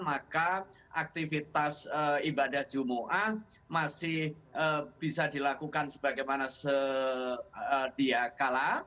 maka aktivitas ibadah jum'ah masih bisa dilakukan sebagaimana sediakala